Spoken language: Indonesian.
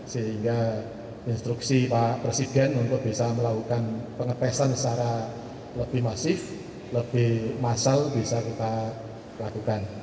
sehingga instruksi pak presiden untuk bisa melakukan pengetesan secara lebih masif lebih massal bisa kita lakukan